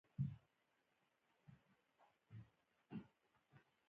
علم د ټولنیز مسؤلیت احساس راویښوي.